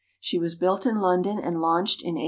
She was built in London and launched in 1858.